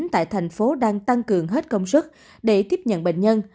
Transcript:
tại tp hcm đang tăng cường hết công suất để tiếp nhận bệnh nhân